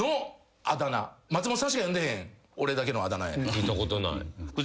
聞いたことない。